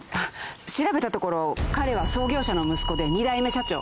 調べたところ彼は創業者の息子で２代目社長。